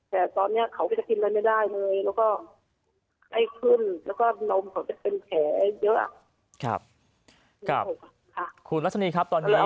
แต่ตอนนี้เขาก็จะกินอะไรไม่ได้เลยแล้วก็ไข้ขึ้นแล้วก็นมเขาจะเป็นแผลเยอะ